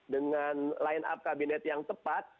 dengan line up kabinet yang tepat